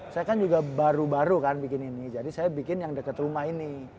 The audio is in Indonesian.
saya kan juga baru baru kan bikin ini jadi saya bikin yang dekat rumah ini